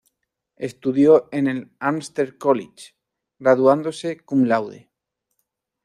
Estudió en el Amherst College, graduándose Cum laude.